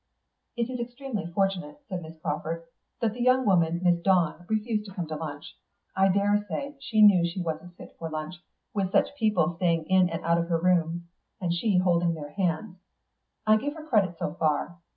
"It is extremely fortunate," said Mrs. Crawford, "that that young woman Miss Dawn refused to come to lunch. I daresay she knew she wasn't fit for lunch, with such people straying in and out of her rooms and she holding their hands. I give her credit so far.